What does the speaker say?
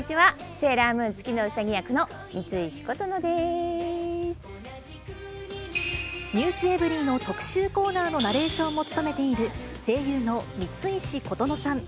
セーラームーン、ｎｅｗｓｅｖｅｒｙ．の特集コーナーのナレーションも務めている、声優の三石琴乃さん。